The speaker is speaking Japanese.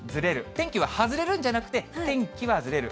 天気は外れるんじゃなくて、天気はずれる。